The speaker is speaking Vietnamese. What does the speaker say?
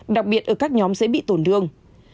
đặc biệt ở các nhóm dễ bị tổn đương